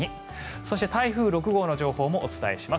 そして、台風６号の情報もお伝えします。